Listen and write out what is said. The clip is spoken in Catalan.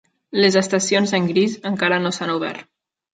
Les estacions en gris encara no s'han obert.